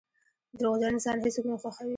• دروغجن انسان هیڅوک نه خوښوي.